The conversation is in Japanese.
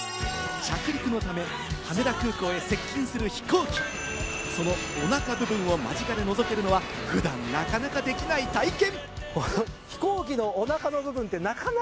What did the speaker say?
着陸のため羽田空港へ接近する飛行機、そのおなか部分を間近で覗けるのは普段なかなかできない体験。